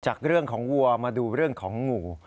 จากเรื่องของวัวมาดูเรื่องของงู